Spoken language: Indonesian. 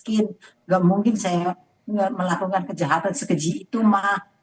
ini mungkin lagi ujian dari allah